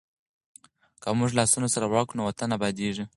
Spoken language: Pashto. که موږ لاسونه سره ورکړو نو وطن ابادېږي.